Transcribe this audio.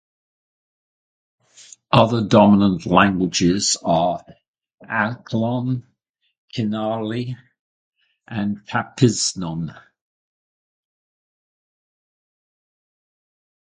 Other dominant languages are Aklanon, Kinaray-a and Capiznon.